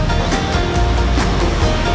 jadi kita mulai